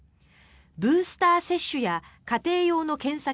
ブースター接種や家庭用の検査